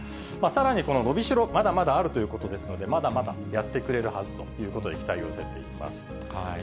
さらにこの伸びしろ、まだまだあるということですので、まだまだやってくれるはずということで、期待をされています。